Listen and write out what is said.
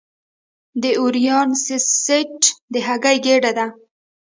د اووریان سیسټ د هګۍ ګېډه ده.